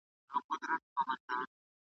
دا تیارې به رڼا کیږي .